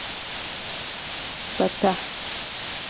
🪿بته